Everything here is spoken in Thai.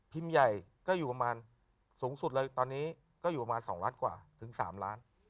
ใหญ่ก็อยู่ประมาณสูงสุดเลยตอนนี้ก็อยู่ประมาณ๒ล้านกว่าถึง๓ล้าน